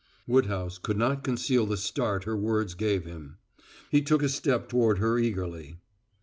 Woodhouse could not conceal the start her words gave him. He took a step toward her eagerly.